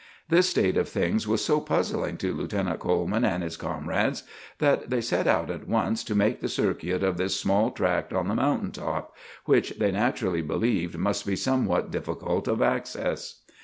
This state of things was so puzzling to Lieutenant Coleman and his comrades that they set out at once to make the circuit of this small tract on the mountain top, which they naturally believed must be somewhat difficult of access.